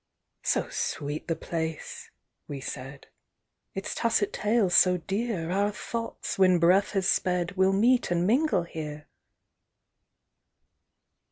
"So sweet the place," we said, "Its tacit tales so dear, Our thoughts, when breath has sped, Will meet and mingle here!"